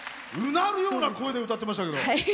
うなるような声で歌ってましたけど。